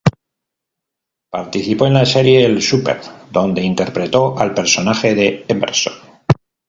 Participó en la serie "El Super", donde interpretó al personaje de Emerson.